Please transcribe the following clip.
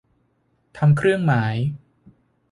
ทำเครื่องหมาย